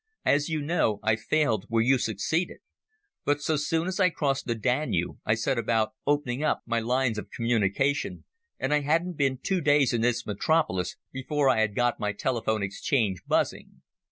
As you know, I failed where you succeeded. But so soon as I crossed the Danube I set about opening up my lines of communication, and I hadn't been two days in this metropolis before I had got my telephone exchange buzzing.